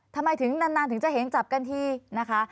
ทำไมถึงนานถึงจะเห็นจับกันทีนะคะ